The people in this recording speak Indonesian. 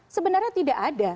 sebenarnya tidak ada